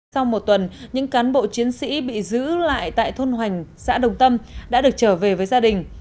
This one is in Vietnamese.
sau một tuần những cán bộ chiến sĩ bị giữ lại tại thôn hoành xã đồng tâm đã được trở về với gia đình